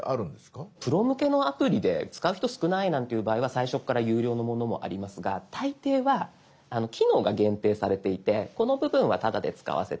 プロ向けのアプリで使う人少ないなんていう場合は最初から有料のものもありますが大抵は機能が限定されていて「この部分はタダで使わせてあげるよ」。